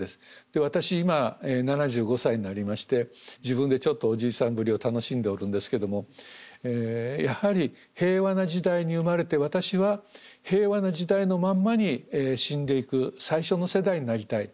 私今７５歳になりまして自分でちょっとおじいさんぶりを楽しんでおるんですけどもやはり平和な時代に生まれて私は平和な時代のまんまに死んでいく最初の世代になりたい。